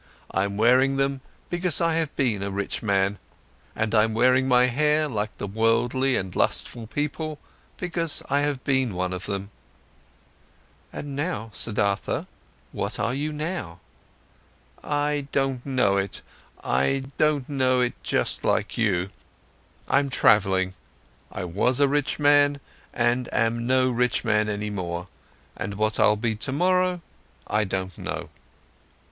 I'm wearing them, because I have been a rich man, and I'm wearing my hair like the worldly and lustful people, for I have been one of them." "And now, Siddhartha, what are you now?" "I don't know it, I don't know it just like you. I'm travelling. I was a rich man and am no rich man any more, and what I'll be tomorrow, I don't know."